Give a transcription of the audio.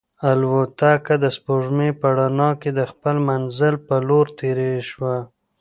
الوتکه د سپوږمۍ په رڼا کې د خپل منزل په لور تېره شوه.